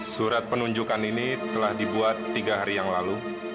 surat penunjukan ini telah dibuat tiga hari kemudian